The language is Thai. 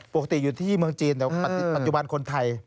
ปกติอยู่ที่เมืองจีนแต่ปัจจุบันคนไทย